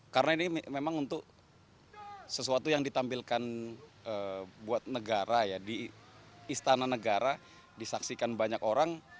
karena ini memang untuk sesuatu yang ditampilkan buat negara ya di istana negara disaksikan banyak orang